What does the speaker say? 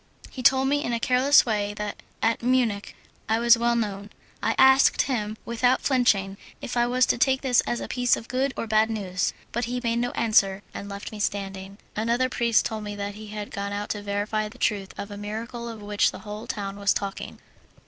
He told me in a careless way that at Munich I was well known. I asked him without flinching if I was to take this as a piece of good or bad news; but he made no answer, and left me standing. Another priest told me that he had gone out to verify the truth of a miracle of which the whole town was talking.